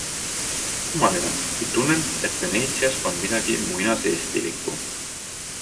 Kummaline, kuid tunnen, et Veneetsias on midagi muinaseestilikku.